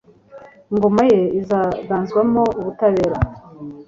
ingoma ye izaganzamo ubutabera